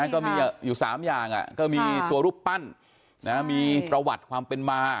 ก็มีอยู่๓อย่างก็มีตัวรูปปั้นมีประวัติความเป็นมา